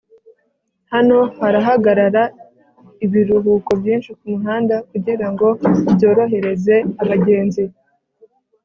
hano harahagarara ibiruhuko byinshi kumuhanda kugirango byorohereze abagenzi